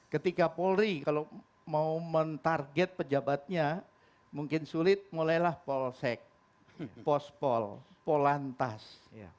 ketika polri kalau mau mentarget pejabatnya mungkin sulit mulailah polsek pospol polantas